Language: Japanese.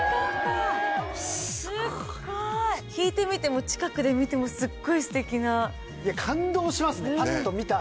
・すごい！・引いて見ても近くで見てもすっごいステキな・感動しますねパッと見ただけで。